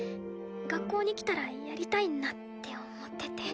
学校に来たらやりたいなって思ってて。